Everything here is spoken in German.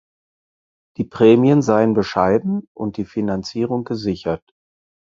Die Prämien seien bescheiden und die Finanzierung gesichert.